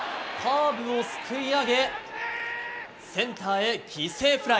カーブをすくい上げセンターへ犠牲フライ。